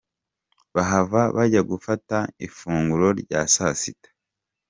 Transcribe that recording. Bahava bajya gufata ifunguro rya saa sita.